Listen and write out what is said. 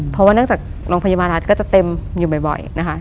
เพราะว่าเนื่องจากโรงพยาบาลรัฐก็จะเต็มอยู่บ่อยนะคะ